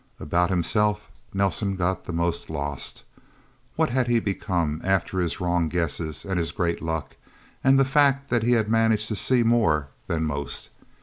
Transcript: About himself, Nelsen got the most lost. What had he become, after his wrong guesses and his great luck, and the fact that he had managed to see more than most?